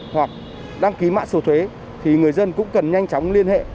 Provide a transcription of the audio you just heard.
hoặc đăng ký mạng sổ thuế thì người dân cũng cần nhanh chóng liên hệ